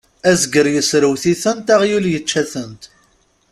Azger yesserwet-itent, aɣyul yečča-tent.